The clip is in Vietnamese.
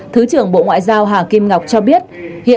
thứ trưởng bộ ngoại giao thứ trưởng bộ ngoại giao thứ trưởng bộ ngoại giao